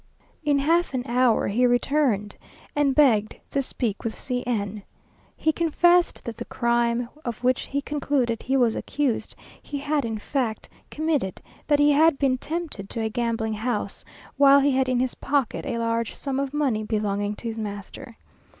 In half an hour he returned and begged to speak with C n. He confessed that the crime of which he concluded he was accused, he had in fact committed; that he had been tempted to a gambling house, while he had in his pocket a large sum of money belonging to his master.